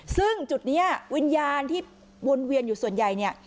ซึ่งจุดนี้วิญญาณที่วนเวียนอยู่ส่วนใหญ่เนี่ย